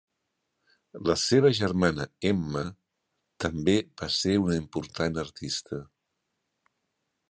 La seva germana Emma, també va ser una important artista.